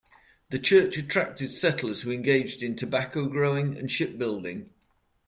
The church attracted settlers who engaged in tobacco growing and ship building.